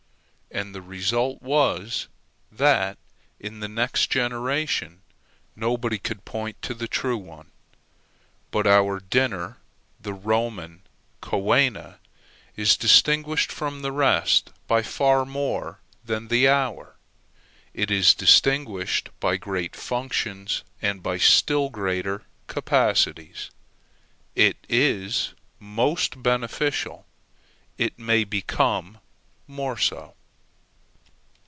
And the result was, that, in the next generation, nobody could point to the true one. But our dinner, the Roman coena, is distinguished from the rest by far more than the hour; it is distinguished by great functions, and by still greater capacities. It is most beneficial; it may become more so.